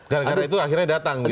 gara gara itu akhirnya datang